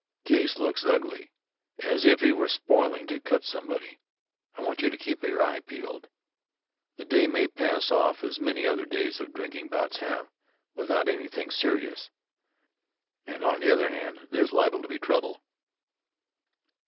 Case looks ugly, as if he were spoiling to cut somebody. I want you to keep your eye peeled. The day may pass off as many other days of drinking bouts have, without anything serious, and on the other hand there's liable to be trouble."